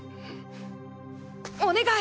お願い